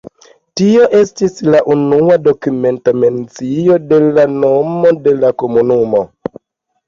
Tio estis la unua dokumenta mencio de la nomo de la komunumo.